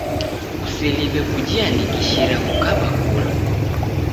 Kuseliw'e kujiandikishira kukaba kura